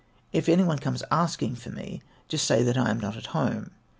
If any one comes asking for me just say that I am not at home."